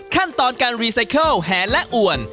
ขั้นตอนการรีไซเคิลแห่และอ่วน